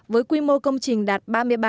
với quy mô công trình đạt